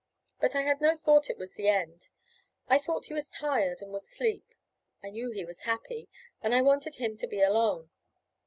But I had no thought it was the end. I thought he was tired and would sleep. I knew he was happy, and I wanted him to be alone.